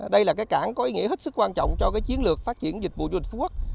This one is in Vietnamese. đây là cái cảng có ý nghĩa hết sức quan trọng cho cái chiến lược phát triển dịch vụ du lịch phú quốc